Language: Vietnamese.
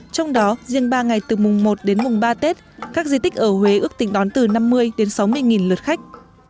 trong đó riêng ba ngày từ mùng một đến mùng ba tết các di tích ở huế ước tính đón từ năm mươi đến sáu mươi lượt khách